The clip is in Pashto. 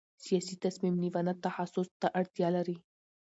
سیاسي تصمیم نیونه تخصص ته اړتیا لري